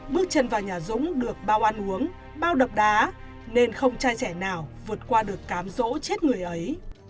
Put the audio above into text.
bước chân vào nhà dũng được bao ăn uống bao đập đá nên không trai trẻ nào vượt qua được cám rỗ chết người ấy